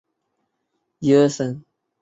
当时对他最重要的就是音乐。